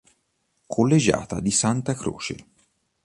Collegiata di Santa Croce